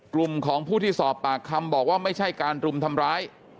กลุ่มของผู้ที่สอบปากคำบอกว่าไม่ใช่การรุมทำร้าย